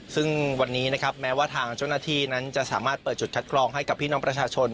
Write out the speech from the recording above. ซึ่งวันนี้นะครับแม้ว่าทางเจ้าหน้าที่นั้นจะสามารถเปิดจุดคัดกรองให้กับพี่น้องประชาชน